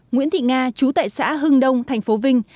nguyễn thị nga chú tại xã hưng đông thành phố vinh